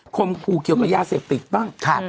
คมคู่เกี่ยวกับยาเสพติดบ้าง